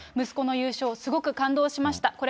息子の優勝を、すごく感動しました。